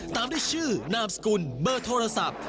ตามด้วยชื่อนามสกุลเบอร์โทรศัพท์